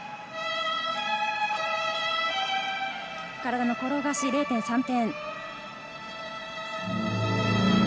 体の転がし０．３点。